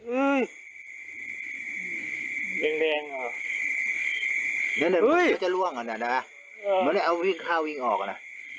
อื้อแรงแรงอ่ะจะล่วงอ่ะนะฮะเอาข้าววิ่งออกอ่ะน่ะ